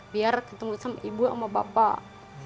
biar ketemu sama ibu sama bapak